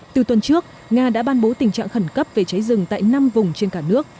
từ tuần trước nga đã ban bố tình trạng khẩn cấp về cháy rừng tại năm vùng trên cả nước